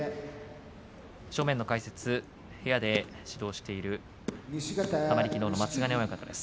正面の解説、部屋で指導している玉力道の松ヶ根親方です。